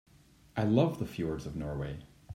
I love the fjords of Norway.